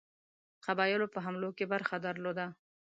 قبایلو په حملو کې برخه درلوده.